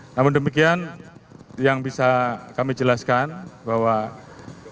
namun demikian yang bisa kami jelaskan bahwa pelaku terafiliasi pemilu pemilu